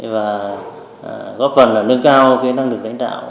và góp phần nâng cao năng lực đánh đạo